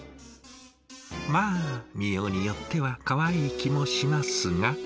まあ見ようによってはかわいい気もしますが。